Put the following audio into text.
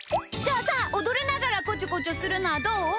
じゃあさおどりながらこちょこちょするのはどう？